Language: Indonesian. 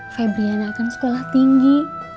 febriana kan sekolah tinggi